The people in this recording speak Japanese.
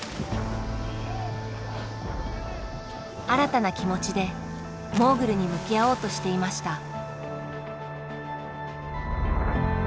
新たな気持ちでモーグルに向き合おうとしていました。